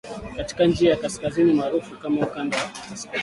katika njia ya kaskazini maarufu kama ukanda wa kaskazini.